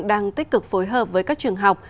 đang tích cực phối hợp với các trường học